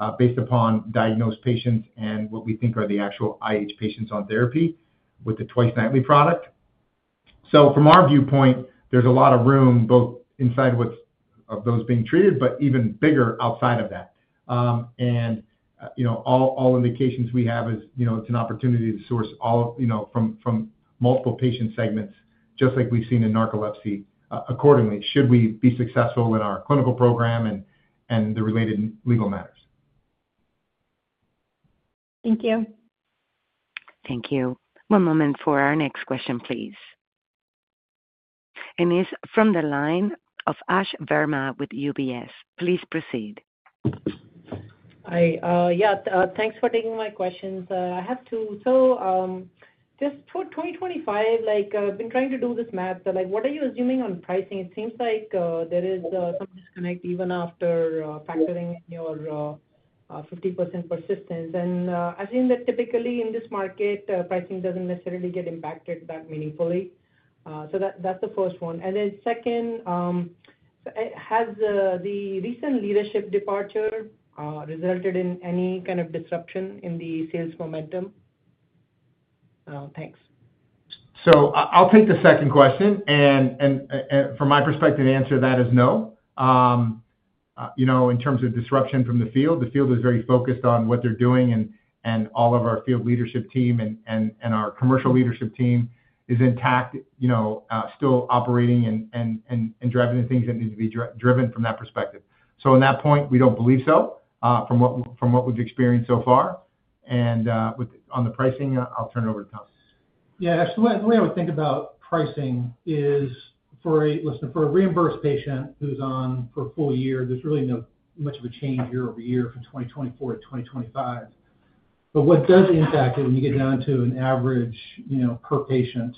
8% based upon diagnosed patients and what we think are the actual IH patients on therapy with the twice-nightly product. From our viewpoint, there is a lot of room both inside of those being treated, but even bigger outside of that. All indications we have are it's an opportunity to source all from multiple patient segments, just like we've seen in narcolepsy, accordingly, should we be successful in our clinical program and the related legal matters. Thank you. Thank you. One moment for our next question, please. It is from the line of Ash Verma with UBS. Please proceed. Yeah. Thanks for taking my questions. I have two. Just for 2025, I've been trying to do this math. What are you assuming on pricing? It seems like there is some disconnect even after factoring in your 50% persistence. I've seen that typically in this market, pricing doesn't necessarily get impacted that meaningfully. That's the first one. Second, has the recent leadership departure resulted in any kind of disruption in the sales momentum? Thanks. I'll take the second question. From my perspective, the answer to that is no. In terms of disruption from the field, the field is very focused on what they're doing. All of our field leadership team and our commercial leadership team is intact, still operating and driving the things that need to be driven from that perspective. On that point, we don't believe so from what we've experienced so far. On the pricing, I'll turn it over to Tom. Yeah. Actually, the way I would think about pricing is, listen, for a reimbursed patient who's on for a full year, there's really not much of a change year over year from 2024 to 2025. What does impact it when you get down to an average per patient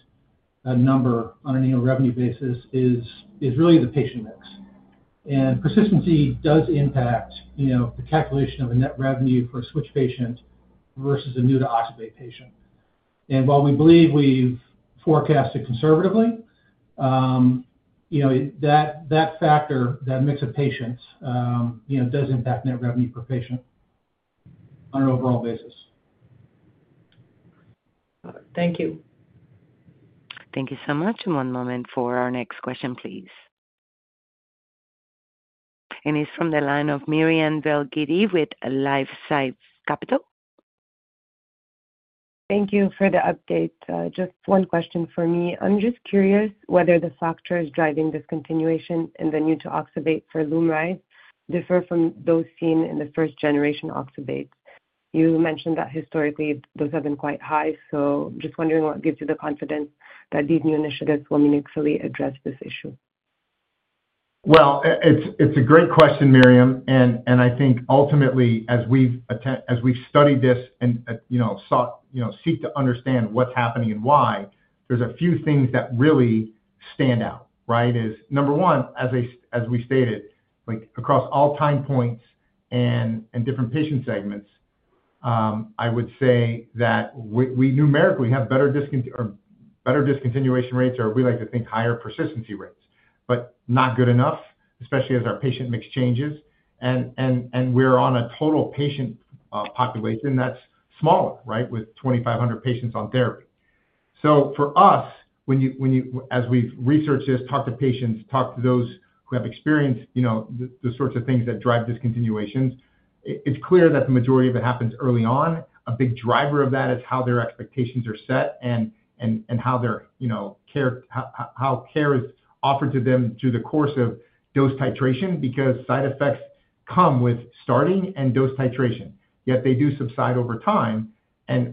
number on an annual revenue basis is really the patient mix. Persistency does impact the calculation of a net revenue for a switch patient versus a new-to-oxybate patient. While we believe we've forecasted conservatively, that factor, that mix of patients, does impact net revenue per patient on an overall basis. Thank you. Thank you so much. One moment for our next question, please. It's from the line of Myriam Belghiti with LifeSci Capital. Thank you for the update. Just one question for me. I'm just curious whether the factors driving discontinuation in the new-to-oxybate for LUMRYZ differ from those seen in the first-generation oxybates. You mentioned that historically, those have been quite high. Just wondering what gives you the confidence that these new initiatives will meaningfully address this issue. It's a great question, Myriam. I think ultimately, as we've studied this and seek to understand what's happening and why, there's a few things that really stand out, right? Number one, as we stated, across all time points and different patient segments, I would say that we numerically have better discontinuation rates, or we like to think higher persistency rates, but not good enough, especially as our patient mix changes. We're on a total patient population that's smaller, right, with 2,500 patients on therapy. For us, as we've researched this, talked to patients, talked to those who have experienced the sorts of things that drive discontinuations, it's clear that the majority of it happens early on. A big driver of that is how their expectations are set and how care is offered to them through the course of dose titration because side effects come with starting and dose titration. Yet they do subside over time.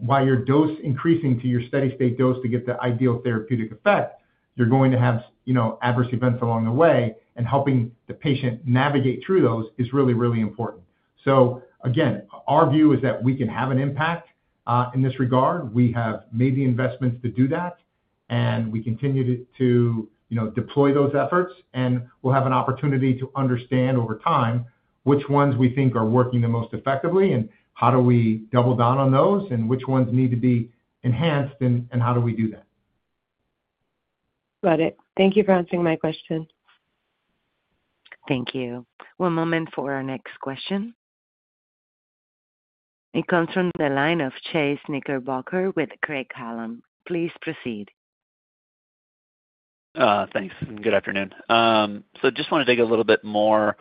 While your dose is increasing to your steady-state dose to get the ideal therapeutic effect, you're going to have adverse events along the way. Helping the patient navigate through those is really, really important. Our view is that we can have an impact in this regard. We have made the investments to do that. We continue to deploy those efforts. We will have an opportunity to understand over time which ones we think are working the most effectively and how we double down on those and which ones need to be enhanced and how we do that. Got it. Thank you for answering my question. Thank you. One moment for our next question. It comes from the line of Chase Knickerbocker with Craig-Hallum. Please proceed. Thanks. Good afternoon. I just want to dig a little bit more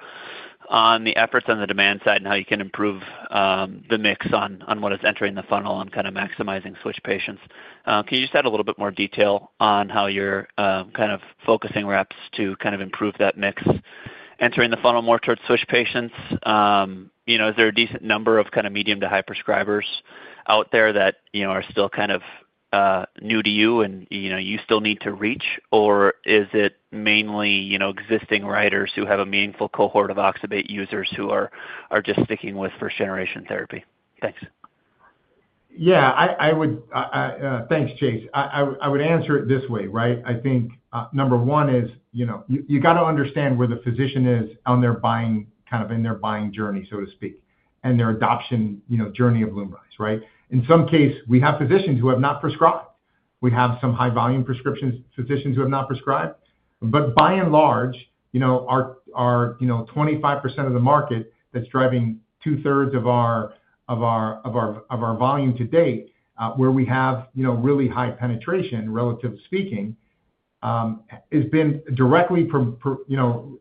on the efforts on the demand side and how you can improve the mix on what is entering the funnel and kind of maximizing switch patients. Can you just add a little bit more detail on how you are kind of focusing reps to kind of improve that mix entering the funnel more towards switch patients? Is there a decent number of kind of medium to high prescribers out there that are still kind of new to you and you still need to reach, or is it mainly existing writers who have a meaningful cohort of oxybate users who are just sticking with first-generation therapy? Thanks. Yeah. Thanks, Chase. I would answer it this way, right? I think number one is you got to understand where the physician is on their buying kind of in their buying journey, so to speak, and their adoption journey of LUMRYZ, right? In some case, we have physicians who have not prescribed. We have some high-volume prescription physicians who have not prescribed. By and large, our 25% of the market that's driving two-thirds of our volume to date, where we have really high penetration, relatively speaking, has been directly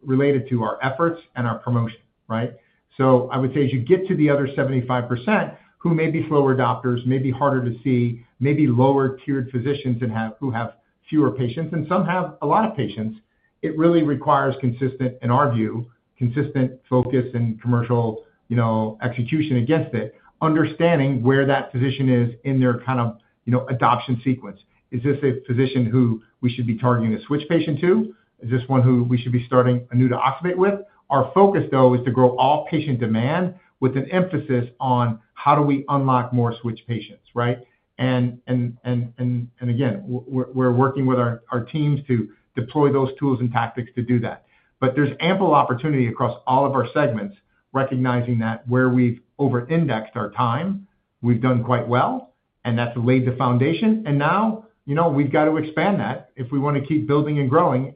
related to our efforts and our promotion, right? I would say as you get to the other 75%, who may be slower adopters, may be harder to see, may be lower-tiered physicians who have fewer patients, and some have a lot of patients, it really requires consistent, in our view, consistent focus and commercial execution against it, understanding where that physician is in their kind of adoption sequence. Is this a physician who we should be targeting a switch patient to? Is this one who we should be starting a new-to-oxybate with? Our focus, though, is to grow all patient demand with an emphasis on how do we unlock more switch patients, right? Again, we're working with our teams to deploy those tools and tactics to do that. There is ample opportunity across all of our segments, recognizing that where we've over-indexed our time, we've done quite well, and that's laid the foundation. We have got to expand that if we want to keep building and growing.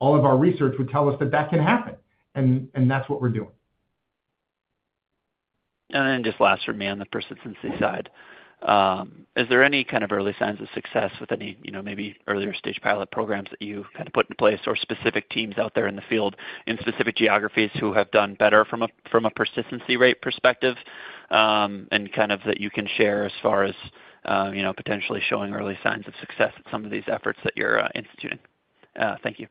All of our research would tell us that that can happen. That is what we are doing. Just last for me on the persistency side. Is there any kind of early signs of success with any maybe earlier stage pilot programs that you kind of put in place or specific teams out there in the field in specific geographies who have done better from a persistency rate perspective and that you can share as far as potentially showing early signs of success at some of these efforts that you are instituting? Thank you.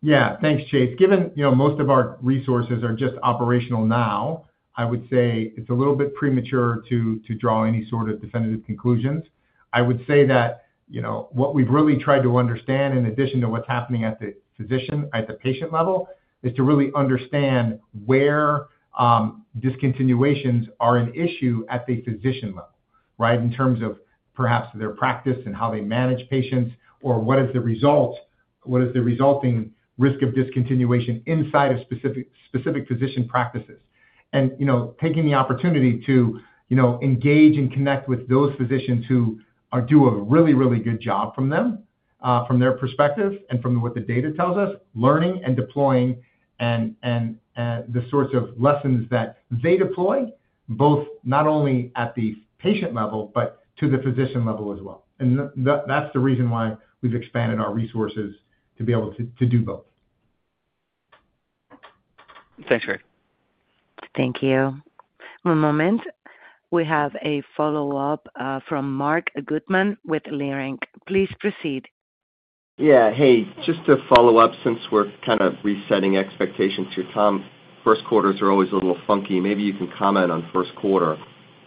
Yeah. Thanks, Chase. Given most of our resources are just operational now, I would say it is a little bit premature to draw any sort of definitive conclusions. I would say that what we've really tried to understand, in addition to what's happening at the physician, at the patient level, is to really understand where discontinuations are an issue at the physician level, right, in terms of perhaps their practice and how they manage patients or what is the resulting risk of discontinuation inside of specific physician practices. Taking the opportunity to engage and connect with those physicians who do a really, really good job from them, from their perspective and from what the data tells us, learning and deploying and the sorts of lessons that they deploy, both not only at the patient level, but to the physician level as well. That's the reason why we've expanded our resources to be able to do both. Thanks, Greg. Thank you. One moment. We have a follow-up from Mark Goodman with Leerink. Please proceed. Yeah. Hey, just to follow up since we're kind of resetting expectations here, Tom, first quarters are always a little funky. Maybe you can comment on first quarter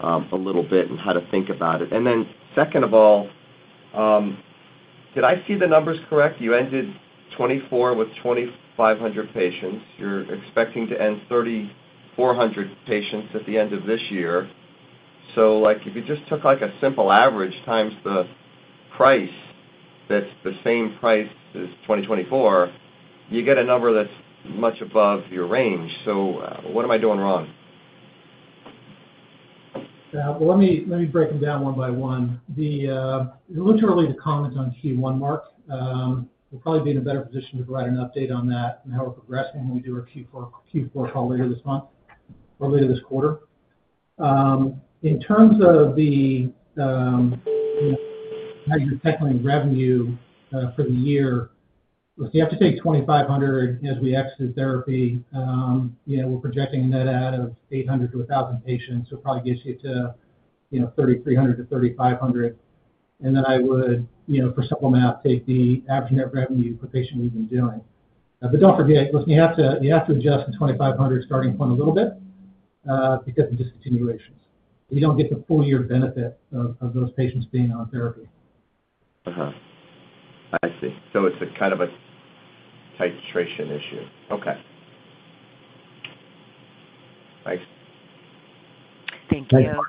a little bit and how to think about it. Second of all, did I see the numbers correct? You ended 2024 with 2,500 patients. You're expecting to end 3,400 patients at the end of this year. If you just took a simple average times the price that's the same price as 2024, you get a number that's much above your range. What am I doing wrong? Let me break them down one by one. Literally, the comments on Q1, Mark, we'll probably be in a better position to provide an update on that and how we're progressing when we do our Q4 call later this month or later this quarter. In terms of how you're tackling revenue for the year, if you have to take 2,500 as we exit therapy, we're projecting a net add of 800 to 1,000 patients, which probably gets you to 3,300 to 3,500. I would, for supplement, take the average net revenue per patient we've been doing. Do not forget, you have to adjust the 2,500 starting point a little bit because of discontinuations. You do not get the full year benefit of those patients being on therapy. I see. It is a kind of a titration issue. Okay. Thank you. Thank you.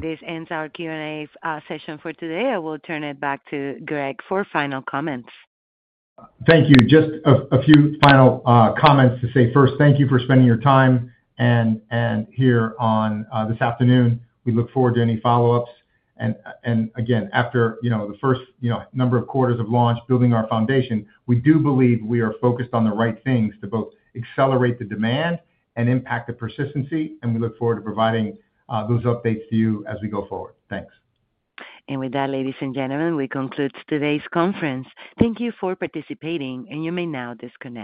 This ends our Q&A session for today. I will turn it back to Greg for final comments. Thank you. Just a few final comments to say. First, thank you for spending your time here on this afternoon. We look forward to any follow-ups. After the first number of quarters of launch, building our foundation, we do believe we are focused on the right things to both accelerate the demand and impact the persistency. We look forward to providing those updates to you as we go forward. Thanks. With that, ladies and gentlemen, we conclude today's conference. Thank you for participating. You may now disconnect.